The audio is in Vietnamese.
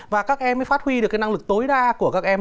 và các em mới phát huy được cái năng lực tối đa của các em